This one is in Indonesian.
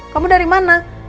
kamu dari mana